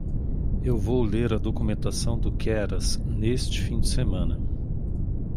Eu vou ler a documentação do Keras neste fim de semana.